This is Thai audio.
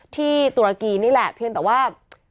ตุรกีนี่แหละเพียงแต่ว่า